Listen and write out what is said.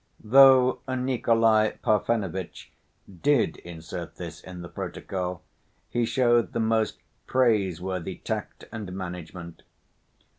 Though Nikolay Parfenovitch did insert this in the protocol, he showed the most praiseworthy tact and management.